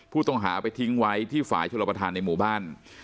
ผู้ต้องหาไปทิ้งไว้ที่ฝ่ายชุดรับประธานในหมู่บ้าน